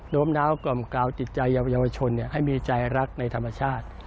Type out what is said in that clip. ้มน้าวกล่อมกาวจิตใจเยาวชนให้มีใจรักในธรรมชาติ